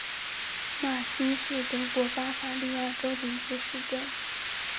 马兴是德国巴伐利亚州的一个市镇。